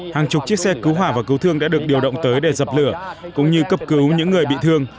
hàng chục chiếc xe cứu hỏa và cứu thương đã được điều động tới để dập lửa cũng như cấp cứu những người bị thương